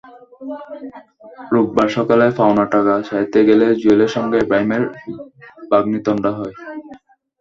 রোববার সকালে পাওনা টাকা চাইতে গেলে জুয়েলের সঙ্গে ইব্রাহিমের বাগ্বিতণ্ডা হয়।